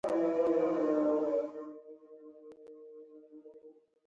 موزیک د شاعر خیال ته وده ورکوي.